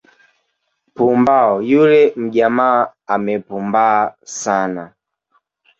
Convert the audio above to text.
"Pumbao, yule mjamaa amepumbaa sana"